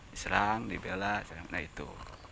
diserang dibela serang nah itu